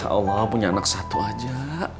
ya allah punya anak satu aja